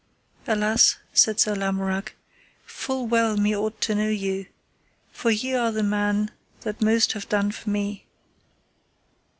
Alas, said Sir Lamorak, full well me ought to know you, for ye are the man that most have done for me.